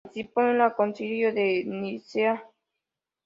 Participó en el Concilio de Nicea.